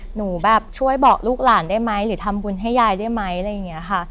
หนูแบบช่วยบอกลูกหลานได้ไหมหรือทำบุญให้ยายได้ไหมอะไรอย่างนี้ค่ะ